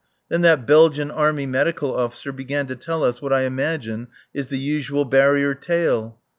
Then that Belgian Army Medical Officer began to tell us what I imagine is the usual barrier tale.